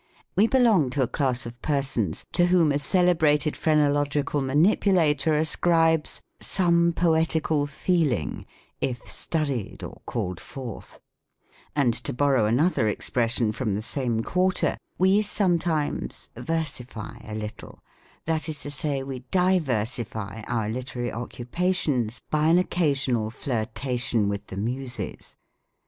We belong to a class of persons to whom a celebrated phrenological manipulator ascribes "some poetical feeling, if studied or called forth;" and, to borrow another expression from the same quar ter, we sometimes "versify a little;" that is to say, we diversify our literary occupations by an occasional flirtation with the muses.